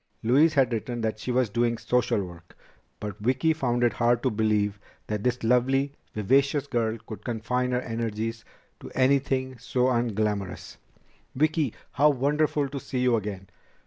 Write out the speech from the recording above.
Louise had written that she was doing social work, but Vicki found it hard to believe that this lovely, vivacious girl could confine her energies to anything so unglamorous. "Vicki! How wonderful to see you again!"